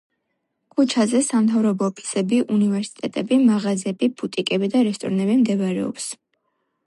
ქუჩაზე სამთავრობო ოფისები, უნივერსიტეტები, მაღაზიები, ბუტიკები და რესტორნები მდებარეობს.